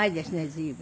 随分。